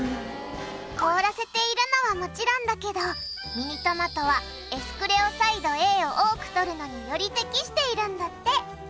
凍らせているのはもちろんだけどミニトマトはエスクレオサイドＡを多くとるのにより適しているんだって！